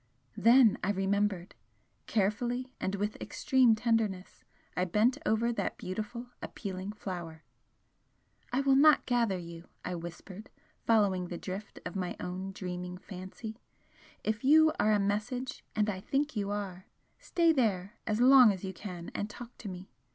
Then I remembered! Carefully and with extreme tenderness, I bent over that beautiful, appealing flower: "I will not gather you!" I whispered, following the drift of my own dreaming fancy "If you are a message and I think you are I stay there as long as you can and talk to me!